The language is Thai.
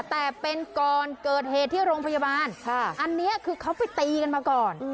แต่เป็นก่อนเกิดเหตุที่โรงพยาบาลอันนี้คือเขาไปตีกันมาก่อน